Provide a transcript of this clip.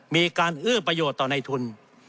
มีการเอื้อประโยชน์ต่อในทุน